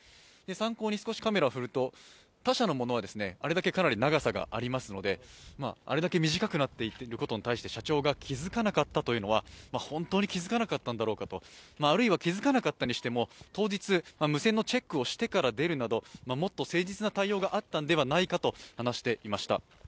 参考に、他社のものはかなり長さがありますのであれだけ短くなっていることに対して社長が気づかなかったというのは、本当に気づかなかったんだろうかと、あるいは気づかなかったにしても当日、無線のチェックをしてから出るなどもっと誠実な対応があったんではないかと話していました。